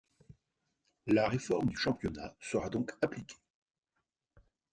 La réforme du championnat sera donc appliquée.